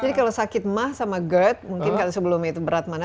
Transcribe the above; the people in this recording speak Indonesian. jadi kalau sakit mah sama gerd mungkin kan sebelumnya itu berat mana